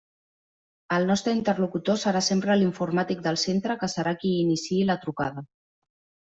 El nostre interlocutor serà sempre l'informàtic del centre que serà qui iniciï la trucada.